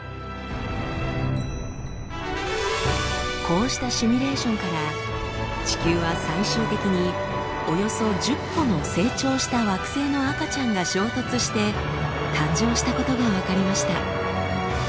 こうしたシミュレーションから地球は最終的におよそ１０個の成長した惑星の赤ちゃんが衝突して誕生したことが分かりました。